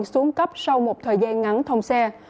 xuống cấp sau một thời gian ngắn thông xe